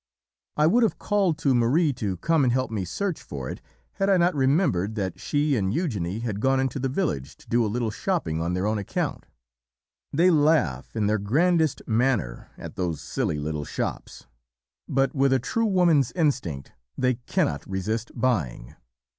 I would have called to Marie to come and help me search for it, had I not remembered that she and Eugenie had gone into the village to do a little shopping on their own account. They laugh in their grandest manner at those 'silly little shops,' but with a true woman's instinct they cannot resist 'buying.